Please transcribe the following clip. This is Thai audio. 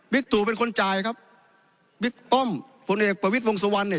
ตู่เป็นคนจ่ายครับบิ๊กป้อมผลเอกประวิทย์วงสุวรรณเนี่ย